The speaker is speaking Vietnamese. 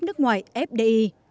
nước ngoài fdi